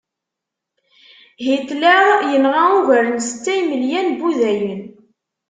Hitler yenɣa ugar n setta imelyan n wudayen.